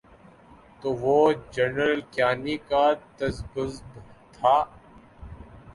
تو وہ جنرل کیانی کا تذبذب تھا۔